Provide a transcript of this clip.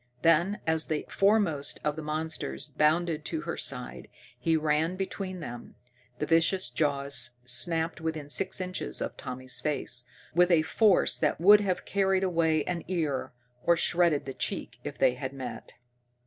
Then, as the foremost of the monsters bounded to her side, he ran between them. The vicious jaws snapped within six inches of Tommy's face, with a force that would have carried away an ear, or shredded the cheek, if they had met.